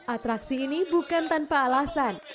atraksi ini bukan tanpa alasan